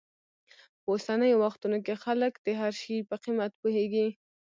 په اوسنیو وختونو کې خلک د هر شي په قیمت پوهېږي.